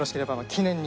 記念に？